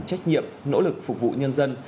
trách nhiệm nỗ lực phục vụ nhân dân